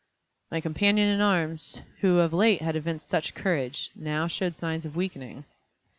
My companion in arms, who of late had evinced such courage, now showed signs of weakening.